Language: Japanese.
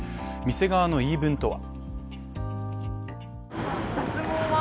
店側の言い分とは。